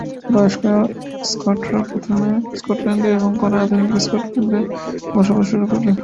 বয়স্ক স্কটরা প্রথমে মধ্য স্কটল্যান্ডে এবং পরে আধুনিক স্কটল্যান্ডে বসবাস শুরু করে।